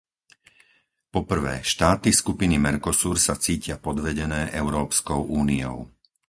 Po prvé, štáty skupiny Mercosur sa cítia podvedené Európskou úniou.